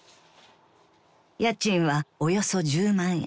［家賃はおよそ１０万円］